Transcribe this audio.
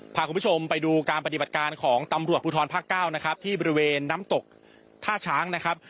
พาคุณผู้ชมไปดูการปฏิบัติการของตำรวจภูทรภาคเก้านะครับที่บริเวณน้ำตกท่าช้างนะครับ